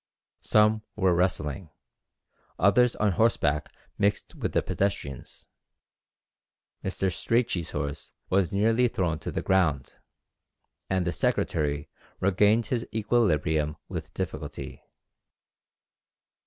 Some were wrestling, others on horseback mixed with the pedestrians. Mr. Strachey's horse was nearly thrown to the ground, and the secretary regained his equilibrium with difficulty.